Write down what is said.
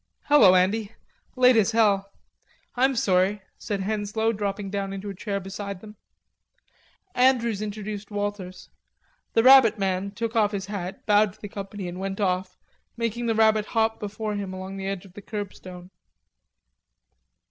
"Hello, Andy... late as hell.... I'm sorry," said Henslowe, dropping down into a chair beside them. Andrews introduced Walters, the rabbit man took off his hat, bowed to the company and went off, making the rabbit hop before him along the edge of the curbstone.